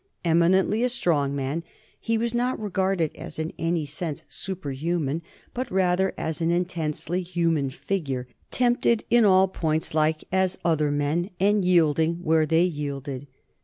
Eminently a strong man, he was not regarded as in any sense superhuman, but rather as an intensely human figure, tempted in all points like as other men and yield ing where they yielded.